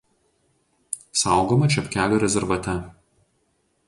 Saugoma Čepkelių rezervate.